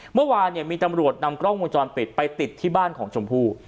เมื่อวานมีตำรวจนำกล้องวงจรปิดไปติดที่บ้านของชมพู่